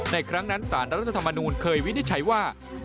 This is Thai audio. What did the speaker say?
ในครั้งนั้นสารรัฐธรรมนูญเคยวินิจฉัยว่า